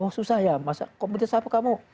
oh susah ya komoditas apa kamu